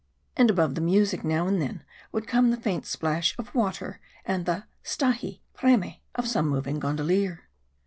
And above the music now and then would come the faint splash of water, and the "Stahi" "Premé" of some moving gondolier.